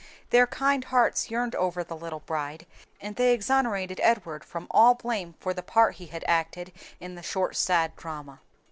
Their kind hearts yearned over the little orphaned bride, and they exonerated Edward from all blame for the part he acted in the short, sad drama.